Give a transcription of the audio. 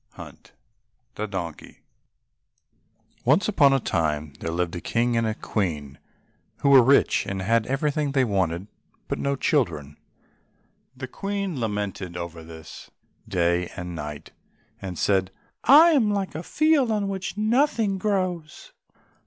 144 The Donkey Once on a time there lived a King and a Queen, who were rich, and had everything they wanted, but no children. The Queen lamented over this day and night, and said, "I am like a field on which nothing grows."